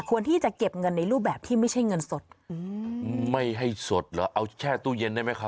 ที่จะเก็บเงินในรูปแบบที่ไม่ใช่เงินสดไม่ให้สดเหรอเอาแช่ตู้เย็นได้ไหมคะ